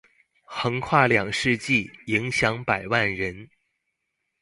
橫跨兩世紀，影響百萬人